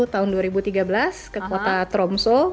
tahun dua ribu tiga belas ke kota thromso